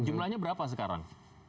jumlahnya berapa sekarang